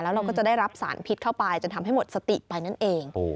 เราก็จะได้รับสารพิษเข้าไปจนทำให้หมดสติไปนั่นเอง